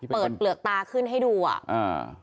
เปิดเปลือกตาขึ้นให้ดูอ่ะ